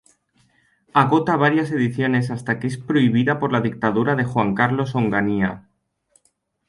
Agota varias ediciones hasta que es prohibida por la dictadura de Juan Carlos Onganía.